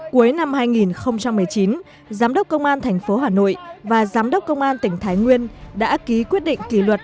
cuối năm hai nghìn một mươi chín giám đốc công an tp hà nội và giám đốc công an tỉnh thái nguyên đã ký quyết định kỷ luật